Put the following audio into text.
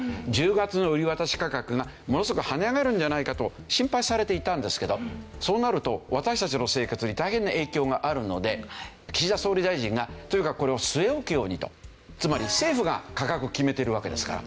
１０月の売渡価格がものすごく跳ね上がるんじゃないかと心配されていたんですけどそうなると私たちの生活に大変な影響があるので岸田総理大臣がとにかくこれを据え置くようにと。つまり政府が価格決めてるわけですから。